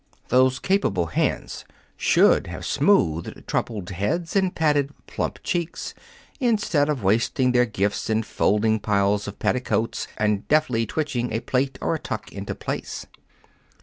Those capable hands should have smoothed troubled heads and patted plump cheeks, instead of wasting their gifts in folding piles of petticoats and deftly twitching a plait or a tuck into place.